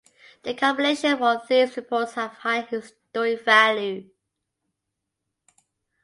The compilations of these reports have high historic value.